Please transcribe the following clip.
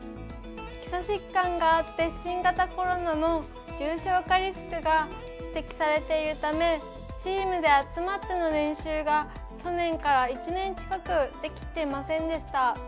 基礎疾患があって新型コロナの重症化リスクが指摘されているためチームの集まっての練習が去年から１年近くできてませんでした。